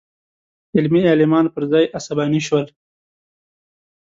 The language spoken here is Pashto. علمي عالمان پر ځای عصباني شول.